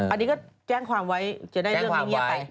อันนี้ก็แจ้งความไว้จะได้เรื่องนี้เงียบไป